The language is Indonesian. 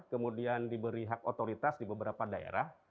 kemudian diberi hak otoritas di beberapa daerah